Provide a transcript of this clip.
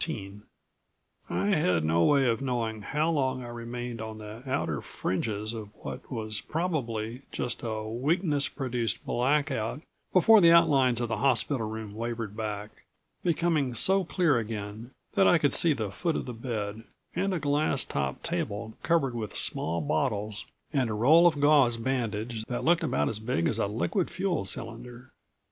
13 I had no way of knowing how long I remained on the outer fringes of what was probably just a weakness produced blackout before the outlines of the hospital room wavered back, becoming so clear again that I could see the foot of the bed, and a glass topped table covered with small bottles and a roll of gauze bandage that looked about as big as a liquid fuel cylinder.